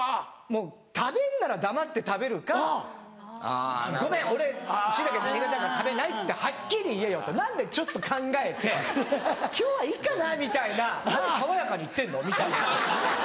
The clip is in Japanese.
もう食べんなら黙って食べるか「ごめん俺シイタケ苦手だから食べない」ってはっきり言えよと何でちょっと考えて「今日はいっかな」みたいな何爽やかに言ってんのみたいな。